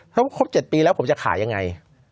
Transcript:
ถ้าพอครบ๗ปีแล้วผมจะขายอย่างไร